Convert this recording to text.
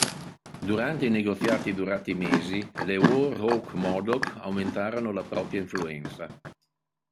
Durante i negoziati durati mesi le War Hawk Modoc aumentarono la propria influenza.